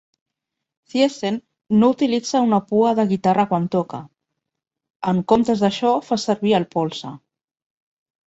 Thiessen no utilitza una pua de guitarra quan toca. En comptes d'això fa servir el polze.